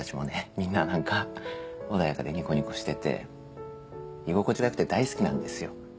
みんななんか穏やかでニコニコしてて居心地がよくて大好きなんですよ